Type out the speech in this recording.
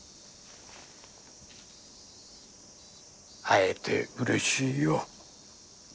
会えてうれしいよ。